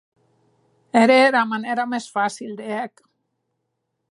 Ère era manèra mès facil de hè'c.